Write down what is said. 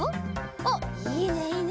おっいいねいいね！